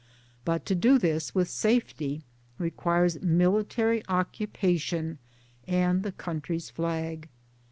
But to do this with safety requires military occupation and the country's flag.